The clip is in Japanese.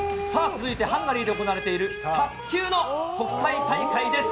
続いてハンガリーで行われている卓球の国際大会です。